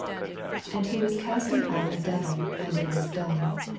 i4 And he was casting out a devil, and it was dumb.